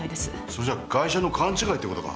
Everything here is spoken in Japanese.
それじゃガイ者の勘違いってことか。